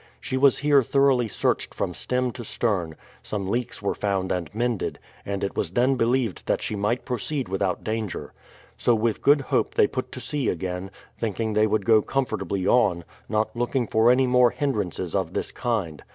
She was here thoroughly searched from stem to stern, some leaks were found and mended, and it was then believed that she might proceed without danger. So with good hope they put to sea again, thinking they would go comfortably on, not looking for any more hindrances of this kind.